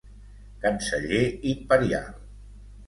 Canceller imperial